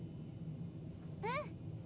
うん。